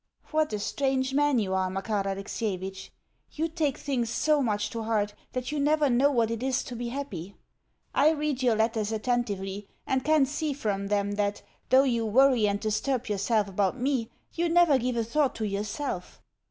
What a strange man you are, Makar Alexievitch! You take things so much to heart that you never know what it is to be happy. I read your letters attentively, and can see from them that, though you worry and disturb yourself about me, you never give a thought to yourself.